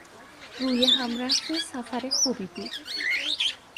رویهم رفته سفر خوبی بود.